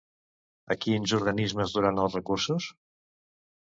A quins organismes duran els recursos?